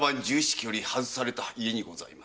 家より外された家にございます。